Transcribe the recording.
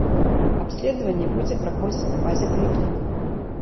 Абследаванне будзе праходзіць на базе паліклінік.